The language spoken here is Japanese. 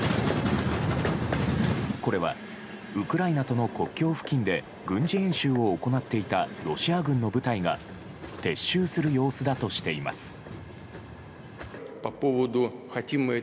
これは、ウクライナとの国境付近で軍事演習を行っていたロシア軍の部隊が撤収する様子だとしています。